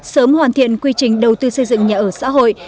sớm hoàn thiện quy trình đầu tư xây dựng nhà ở xã hội